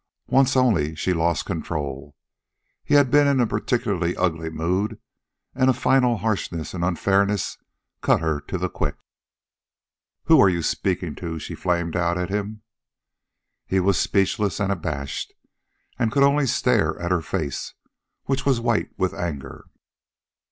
Once, only, she lost control. He had been in a particularly ugly mood, and a final harshness and unfairness cut her to the quick. "Who are you speaking to?" she flamed out at him. He was speechless and abashed, and could only stare at her face, which was white with anger.